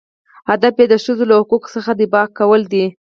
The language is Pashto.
هدف یې د ښځو له حقوقو څخه دفاع کول دي.